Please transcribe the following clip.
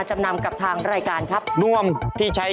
แจ็คสอนเขาเหรอ